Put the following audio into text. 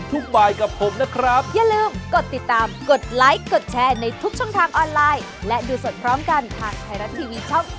สวัสดีครับ